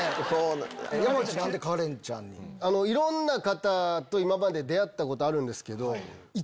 いろんな方と今まで出会ったことあるんですけど。